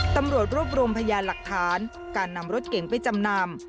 ตำรวจรวบรวมพยานหลักฐานการนำรถเก๋งไปจำนำ